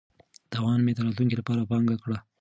تاوان مې د راتلونکي لپاره پانګه کړه.